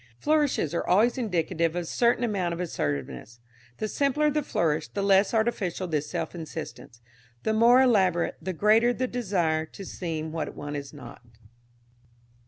Flourishes are always indicative of a certain amount of assertiveness. The simpler the flourish the less artificial this self insistence; the more elaborate, the greater the desire to seem what one is not.